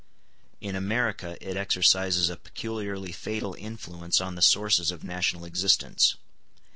In America it exercises a peculiarly fatal influence on the sources of national existence.